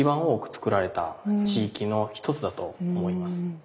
作られた地域の一つだと思います。